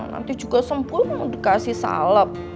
nanti juga sempul mau dikasih salep